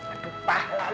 aduh pahla lo